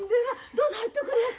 どうぞ入っとくれやす。